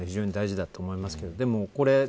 防犯の観点で非常に大事だと思いますけど。